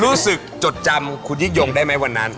รู้สึกจดจำคุณยิ๊กยงได้ไหมวันนั้น